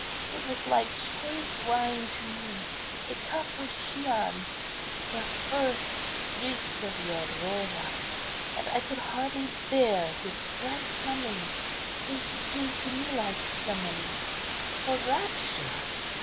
It was like choice wine to me, a cup of Chian, the first streaks of the Aurora, and I could hardly bear his bright coming, when he came to me like Semele, for rapture.